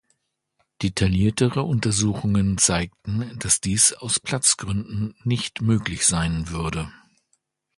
Detailliertere Untersuchungen zeigten, dass dies aus Platzgründen nicht möglich sein würde.